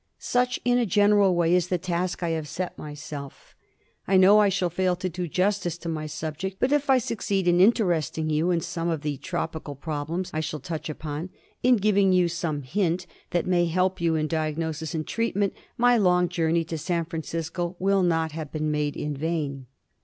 Such in a general way is the task I have set myself. I know I shall fail to do justice to my subject; but if I succeed in interesting you in some of the tropical problems I shall touch upon, in giving you some hint that may help you in diagnosis and treatment, my long journey to San Francisco will not have been made in vain.